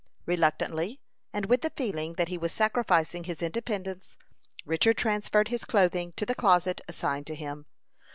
Reluctantly, and with the feeling that he was sacrificing his independence, Richard transferred his clothing to the closet assigned to him.